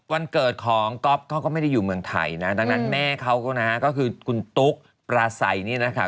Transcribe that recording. วันเกิดของก็ไม่ได้อยู่เมืองไทยนะดังนั้นแม่เค้าก็คือคุณตุ๊กประไสยนี่นะคะ